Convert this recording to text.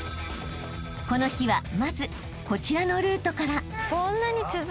［この日はまずこちらのルートから］